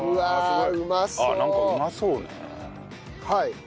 はい。